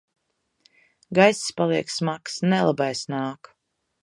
Gaiss paliek smags. Nelabais nāk!